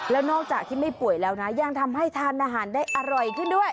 แล้วนอกจากที่ไม่ป่วยแล้วนะยังทำให้ทานอาหารได้อร่อยขึ้นด้วย